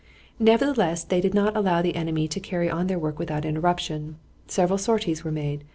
Nevertheless, they did not allow the enemy to carry on their work without interruption. Several sorties were made.